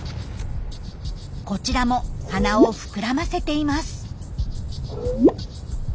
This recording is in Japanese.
こちらも鼻を膨らませています。